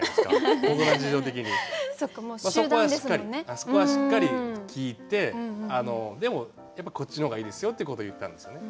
そこはしっかり聞いてでも「やっぱこっちの方がいいですよ」ってこと言ったんですよね。